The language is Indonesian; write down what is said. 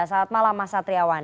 selamat malam mas satriawan